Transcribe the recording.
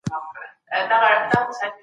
اسلام د ښځو او نارینه وو حقونه مساوي ګڼي.